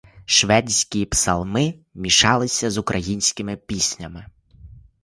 Шведські псалми мішалися з українськими піснями.